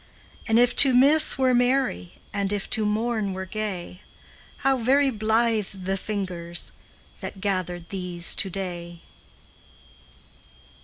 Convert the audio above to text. And if to miss were merry, And if to mourn were gay, How very blithe the fingers That gathered these to day!